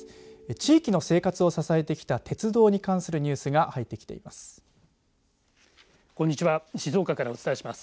地域の生活を支えてきた鉄道に関するニュースが入ってきています。